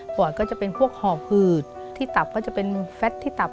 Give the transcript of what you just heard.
อดก็จะเป็นพวกห่อผืดที่ตับก็จะเป็นแฟทที่ตับ